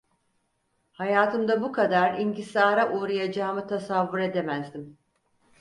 Hayatımda bu kadar inkisara uğrayacağımı tasavvur edemezdim.